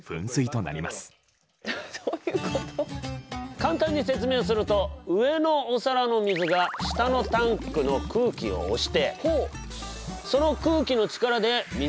簡単に説明すると上のお皿の水が下のタンクの空気を押してその空気の力で水を押し上げてるの。